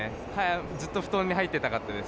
ずっと布団に入ってたかったです。